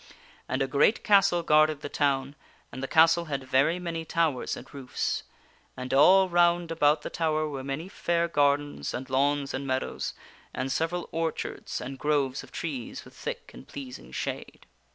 And a great castle guarded the town, and the castle had very many towers and roofs. And all round about the tower were many fair gardens and lawns and meadows, and several orchards and groves of trees with thick and pleasing shade.